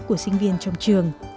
của sinh viên trong trường